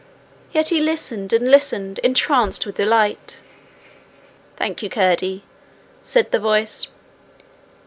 Yet he listened, and listened, entranced with delight. 'Thank you, Curdie, said the voice.